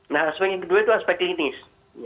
nah aspek yang kedua itu aspek klinis